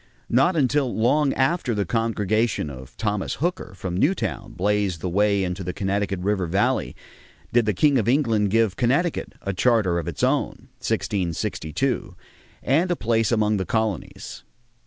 Not until long after the congregation of Thomas Hooker from Newtown blazed the way into the Connecticut River Valley did the king of England give Connecticut a charter of its own (1662) and a place among the colonies.